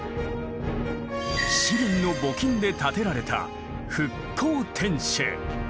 市民の募金で建てられた復興天守。